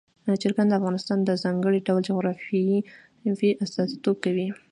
چرګان د افغانستان د ځانګړي ډول جغرافیه استازیتوب کوي.